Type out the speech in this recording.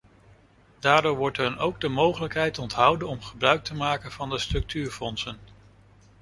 Daardoor wordt hen ook de mogelijkheid onthouden om gebruik te maken van de structuurfondsen.